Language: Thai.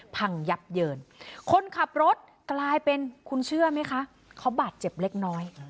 พังยับเยินคนขับรถกลายเป็นคุณเชื่อไหมคะเขาบาดเจ็บเล็กน้อย